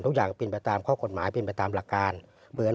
ตรงการตามผลกฎหมายเป็นตามรักงาน